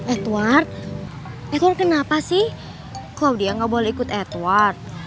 edward edward kenapa sih claudia gak boleh ikut edward